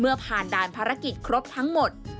เมื่อผ่านด้านภารกิจครบทั้งหมด